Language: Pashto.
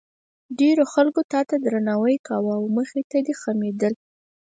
ډېرو خلکو تا ته درناوی کاوه او مخې ته دې خمېدل.